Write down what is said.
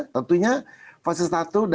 tentunya fase satu dan fase dua melihat keambilan